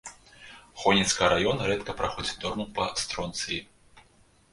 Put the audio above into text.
Хойніцкага раёна рэдка праходзіць норму па стронцыі.